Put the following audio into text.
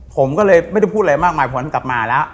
ผมก็เลยไม่ได้พูดอะไรมากมายผลกลับมาแล้ว